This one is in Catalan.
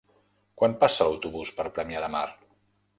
Quan passa l'autobús per Premià de Mar?